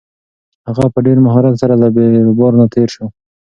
هغه په ډېر مهارت سره له بیروبار نه تېر شو.